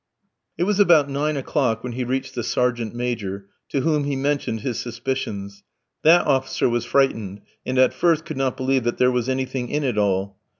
It was about nine o'clock when he reached the sergeant major, to whom he mentioned his suspicions. That officer was frightened, and at first could not believe there was anything in it all.